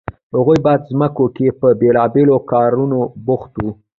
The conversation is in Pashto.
هغوی په ځمکو کې په بیلابیلو کارونو بوخت وو.